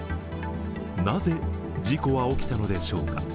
なぜ事故は起きたのでしょうか。